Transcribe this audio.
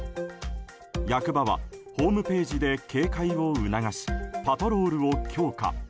役場は、ホームページで警戒を促しパトロールを強化。